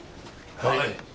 はい。